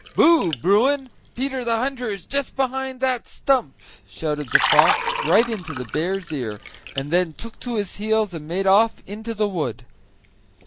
"Boo! Bruin! Peter the hunter is just behind that stump!" shouted the fox right into the bear's ear, and then took to his heels and made off into the wood.